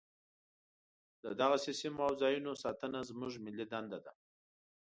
دغسې سیمو او ځاینونو ساتنه زموږ ملي دنده ده.